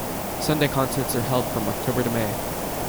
Sunday Concerts are held from October through May.